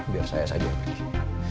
biar saya saja yang pergi